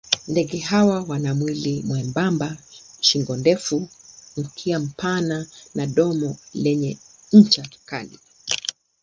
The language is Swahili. Ndege hawa wana mwili mwembamba, shingo ndefu, mkia mpana na domo lenye ncha kali.